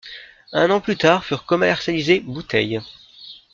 Un an plus tard furent commercialisées bouteilles.